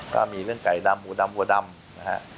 ก็มีเรื่องไก่ดำหมูดำบัวดำนะฮะ